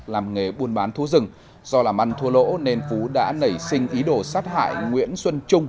làm nghề buôn bán thú rừng do làm ăn thua lỗ nên phú đã nảy sinh ý đồ sát hại nguyễn xuân trung